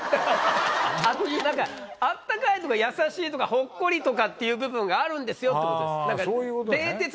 あったかいとか優しいとかほっこりとかっていう部分があるんですよってことです。